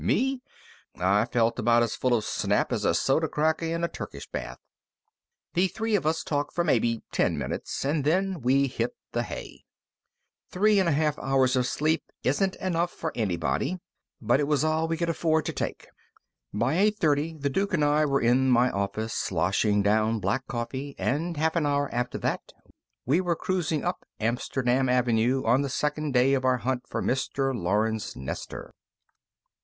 Me, I felt about as full of snap as a soda cracker in a Turkish bath. The three of us talked for maybe ten minutes, and then we hit the hay. Three and a half hours of sleep isn't enough for anybody, but it was all we could afford to take. By eight thirty, the Duke and I were in my office, sloshing down black coffee, and, half an hour after that, we were cruising up Amsterdam Avenue on the second day of our hunt for Mr. Lawrence Nestor.